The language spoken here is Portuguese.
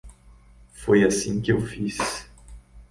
Foi assim que eu fiz.